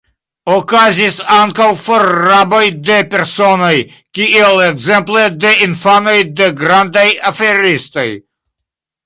Okazis ankaŭ forraboj de personoj, kiel ekzemple de infanoj de grandaj aferistoj.